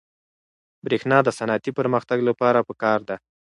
برېښنا د صنعتي پرمختګ لپاره پکار ده.